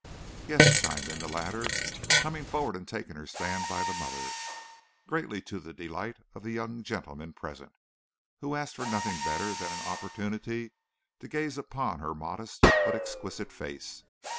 "Yes," chimed in the latter, coming forward and taking her stand by the mother, greatly to the delight of the young gentlemen present, who asked for nothing better than an opportunity to gaze upon her modest but exquisite face.